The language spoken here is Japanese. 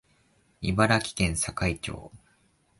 茨城県境町